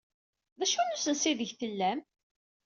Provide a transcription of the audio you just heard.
D acu n usensu aydeg tellam?